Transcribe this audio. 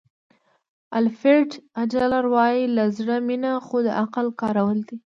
الفرډ اډلر وایي له زړه مینه خو د عقل کارول دي.